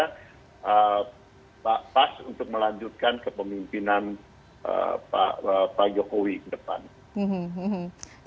karena pas untuk melanjutkan kepemimpinan pak jokowi ke depan